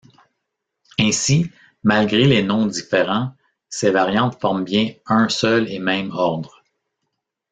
Ainsi, malgré les noms différents, ces variantes forment bien un seul et même ordre.